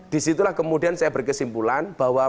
disitulah kemudian saya berkesimpulan bahwa